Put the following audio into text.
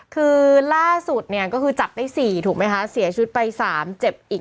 คือล่าสุดเนี่ยก็คือจับได้๔ถูกไหมคะเสียชีวิตไป๓เจ็บอีก